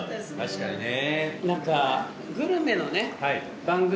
確かにね。